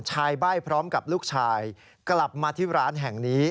ใบ้พร้อมกับลูกชายกลับมาที่ร้านแห่งนี้